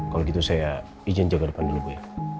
kalau gitu saya izin jaga depan dulu bu ya